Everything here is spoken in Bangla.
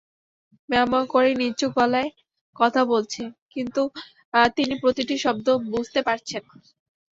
ম্যাও ম্যাও করেই নিচু গলায় কথা বলছে, কিন্তু তিনি প্রতিটি শব্দ বুঝতে পারছেন।